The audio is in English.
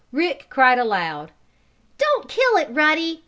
Rick cried aloud: "Don't kill it, Ruddy!